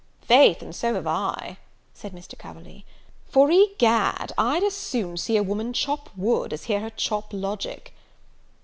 "Faith, and so have I," said Mr. Coverley; "for egad, I'd as soon see a woman chop wood, as hear her chop logic."